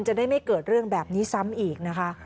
จะได้ไม่เกิดเรื่องแบบนี้ซ้ำอีกนะคะ